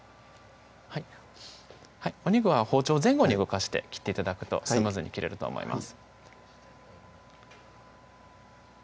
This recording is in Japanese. お肉は包丁を前後に動かして切って頂くとスムーズに切れると思います